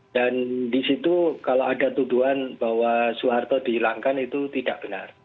dan di situ kalau ada tuduhan bahwa soeharto dihilangkan itu tidak benar